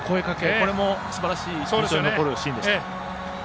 これもすばらしい印象に残るシーンでした。